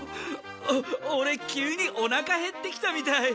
オオレ急におなかへってきたみたい。